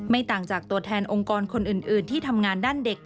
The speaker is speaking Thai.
ต่างจากตัวแทนองค์กรคนอื่นที่ทำงานด้านเด็ก